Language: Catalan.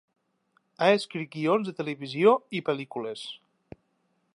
Ha escrit guions de televisió i pel·lícules.